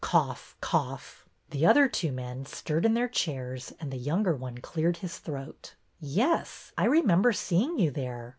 Cough, cough. The other two men stirred in their chairs and the younger one cleared his throat. '' Yes, I remember seeing you there.